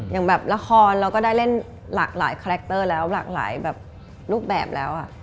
อย่างแบบละครเราก็ได้เล่นหลากหลายคาแรคเตอร์แล้วหลากหลายแบบรูปแบบแล้ว